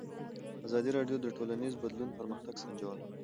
ازادي راډیو د ټولنیز بدلون پرمختګ سنجولی.